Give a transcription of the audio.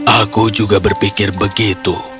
aku juga berpikir begitu